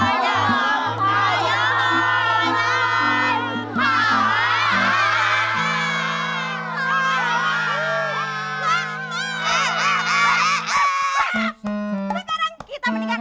sekarang kita mendingan